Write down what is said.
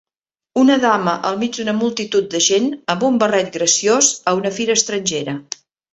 Una dama al mig d'una multitud de gent amb un barret graciós a una fira estrangera